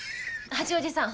八王子さん。